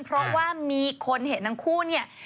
เพราะว่ามีคนเห็นทั้งคู่เนี่ย